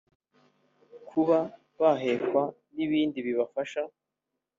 kuba bahekwa n’ibindi bibafasha